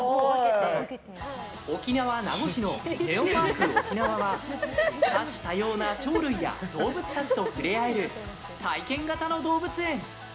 沖縄・名護市のネオパークオキナワは多種多様な鳥類や動物たちと触れ合える体験型の動物園。